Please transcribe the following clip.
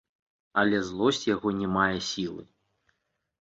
Але злосць яго не мае сілы.